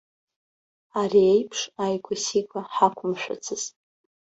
Ари аиԥш ааигәа-сигәа ҳақәымшәацызт.